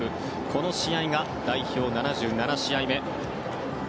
この試合が代表７７試合目。